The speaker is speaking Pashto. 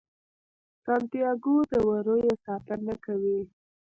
سانتیاګو د وریو ساتنه کوي.